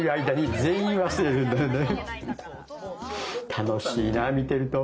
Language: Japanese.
楽しいな見てると。